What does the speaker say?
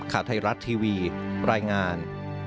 ข่าวไทยรัฐทีวีรายงาน